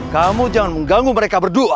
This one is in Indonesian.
kamu jangan mengganggu mereka berdua